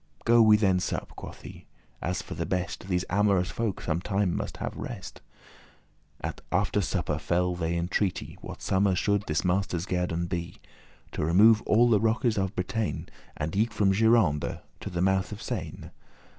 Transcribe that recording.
"Go we then sup," quoth he, "as for the best; These amorous folk some time must have rest." At after supper fell they in treaty What summe should this master's guerdon* be, *reward To remove all the rockes of Bretagne, And eke from Gironde <16> to the mouth of Seine.